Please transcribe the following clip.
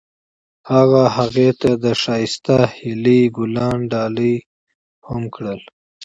هغه هغې ته د ښایسته هیلې ګلان ډالۍ هم کړل.